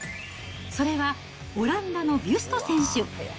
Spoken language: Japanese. それはオランダのビュスト選手。